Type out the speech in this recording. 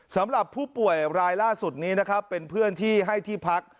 สำหรับผู้ป่วยรายล่าสุดนี้นะครับเป็นเพื่อนที่ให้ที่พัก